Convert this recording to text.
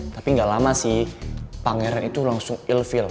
tapi gak lama sih pangeran itu langsung ill feel